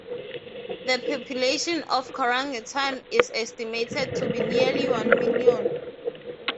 The population of Korangi Town is estimated to be nearly one million.